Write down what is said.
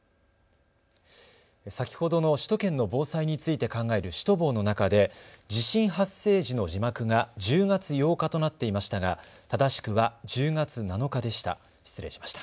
先ほどの首都圏の防災を考えるシュトボーの中で地震発生時の字幕が１０月８日となっていましたが正しくは１０月７日でした。